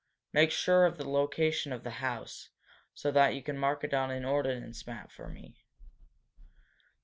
"Make sure of the location of the house, so that you can mark it on an ordnance map for me.